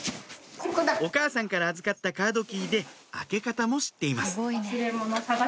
お母さんから預かったカードキーで開け方も知っています